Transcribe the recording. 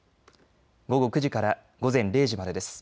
午後９時から午前０時までです。